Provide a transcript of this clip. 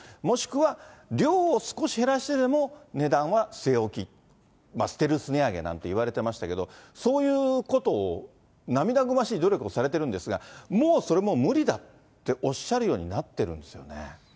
もしくは、量を少し減らしてでも値段は据え置き、ステルス値上げなんていわれてましたけど、そういうことを、涙ぐましい努力をされてるんですが、もうそれも無理だっておっしゃるようになってるんですよね。